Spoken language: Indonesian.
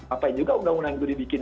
apa yang juga undang undang itu dibikin